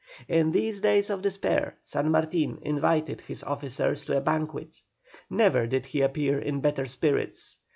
In these days of despair San Martin invited his officers to a banquet. Never did he appear in better spirits.